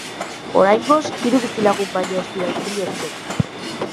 Oraingoz, hiru bizilagun baino ez dira itzuli etxera.